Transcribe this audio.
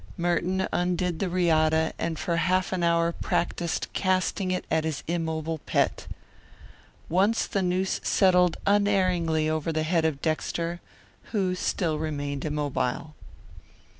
Merton undid the riata and for half an hour practised casting it at his immobile pet. Once the noose settled unerringly over the head of Dexter, who still remained immobile.